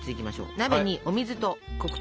鍋にお水と黒糖。